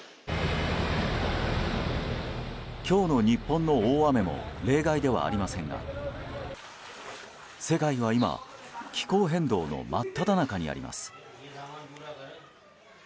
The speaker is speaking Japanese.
今日の日本の大雨も例外ではありませんが世界は今、気候変動の真っただ中にあります。